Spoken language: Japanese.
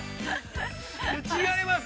◆違います！